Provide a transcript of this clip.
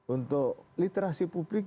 untuk literasi publik